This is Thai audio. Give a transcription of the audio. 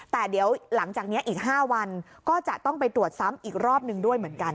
แต่เดี๋ยวหลังจากนี้อีก๕วันก็จะต้องไปตรวจซ้ำอีกรอบหนึ่งด้วยเหมือนกัน